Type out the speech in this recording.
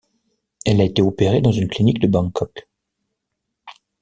Elle a été opérée dans une clinique de Bangkok.